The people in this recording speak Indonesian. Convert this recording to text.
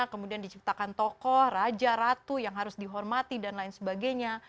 kemudian diciptakan tokoh raja ratu yang harus dihormati dan lain sebagainya